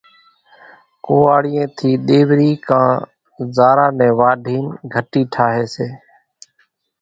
ڪوئاڙيئين ٿِي ۮيوري ڪان زارا نين واڍين گھٽي ٺاھي سي